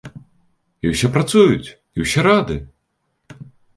І ўсе працуюць, і ўсе рады.